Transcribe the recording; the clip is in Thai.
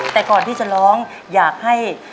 แต่ก่อนที่จะร้องอยากให้